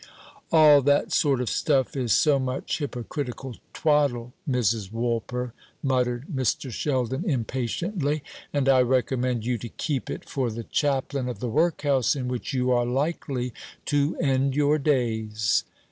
"All that sort of stuff is so much hypocritical twaddle, Mrs. Woolper," muttered Mr. Sheldon impatiently; "and I recommend you to keep it for the chaplain of the workhouse in which you are likely to end your days.